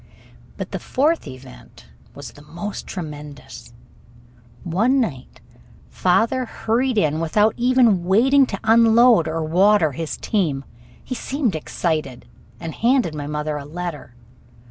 But the fourth event was the most tremendous. One night father hurried in without even waiting to unload or water his team. He seemed excited, and handed my mother a letter.